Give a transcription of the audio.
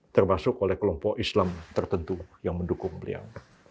termasuk oleh kelompok islam tertentu yang mendukung beliau